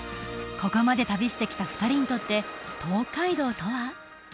ここまで旅してきた２人にとって東海道とは？